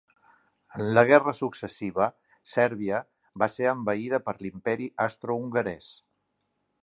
En la guerra successiva, Sèrbia va ser envaïda per l'Imperi Austrohongarès.